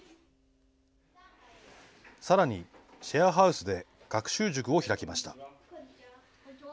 さらにシェアハウスで学習塾を開きました。